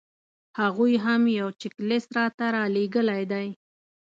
هغوی هم یو چیک لیست راته رالېږلی دی.